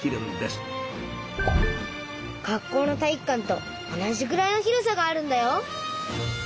学校の体育館と同じぐらいの広さがあるんだよ。